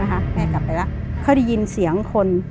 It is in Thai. เขาได้ยินเสียงคน